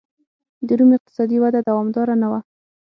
د روم اقتصادي وده دوامداره نه وه